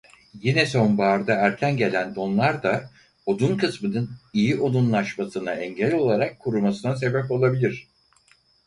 Yine sonbaharda erken gelen donlar da odun kısmının iyi odunlaşmasına engel olarak kurumasına sebep olabilir.